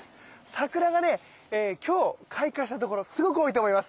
桜がね今日開花したところすごく多いと思います。